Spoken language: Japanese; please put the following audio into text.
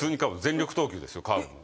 全力投球ですよカーブも。